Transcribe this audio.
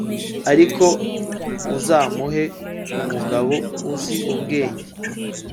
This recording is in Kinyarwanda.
ariko uzamuhe umugabo uzi ubwenge